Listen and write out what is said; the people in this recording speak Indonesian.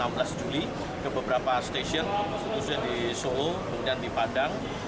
enam belas juli ke beberapa stasiun khususnya di solo kemudian di padang